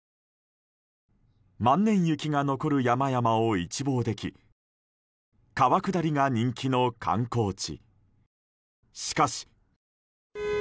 万年雪が残る山々を一望でき川下りが人気の観光地。